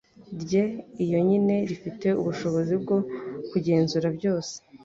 rye iyonyine rifite ubushobozi bwo kugenzura byose.